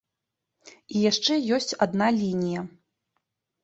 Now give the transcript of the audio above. І яшчэ ёсць адна лінія.